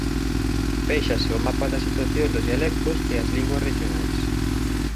Véxase o mapa da situación dos dialectos e as linguas rexionais.